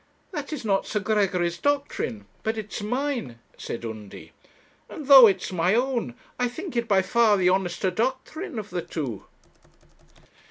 'That is not Sir Gregory's doctrine, but it's mine,' said Undy; 'and though it's my own, I think it by far the honester doctrine of the two.'